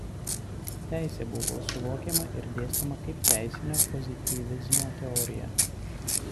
Teisė buvo suvokiama ir dėstoma kaip teisinio pozityvizmo teorija.